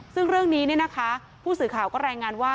ซึ่งเรื่องนี้ผู้สื่อข่าวก็รายงานว่า